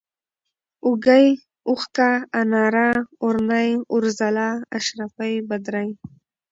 اوږۍ ، اوښکه ، اناره ، اورنۍ ، اورځلا ، اشرفۍ ، بدرۍ